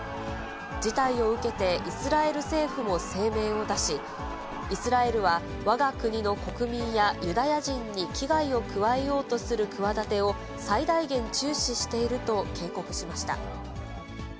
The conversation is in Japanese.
事態を受けて、イスラエル政府も声明を出し、イスラエルはわが国の国民やユダヤ人に危害を加えようとする企てを最大限注視していると警告しました。